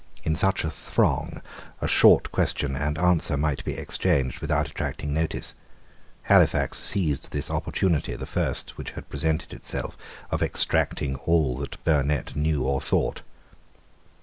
In such a throng a short question and answer might be exchanged without attracting notice. Halifax seized this opportunity, the first which had presented itself, of extracting all that Burnet knew or thought.